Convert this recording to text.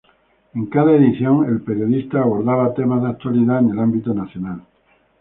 En cada edición el periodista abordaba temas de actualidad en el ámbito nacional.